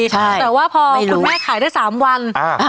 แต่ว่าพอคุณแม่ขายได้๓วัน